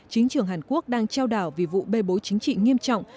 chính trường hàn quốc đang trao đảo vì vụ bê bối chính trị nghiêm trọng